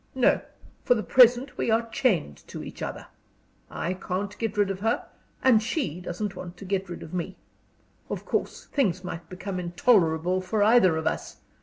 No; for the present we are chained to each other. I can't get rid of her, and she doesn't want to get rid of me. Of course, things might become intolerable for either of us.